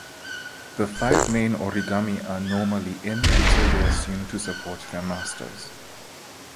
The five main Origami are normally in until they assume to support their masters.